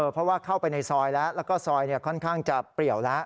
เพราะว่าเข้าไปในซอยแล้วแล้วก็ซอยค่อนข้างจะเปรียวแล้ว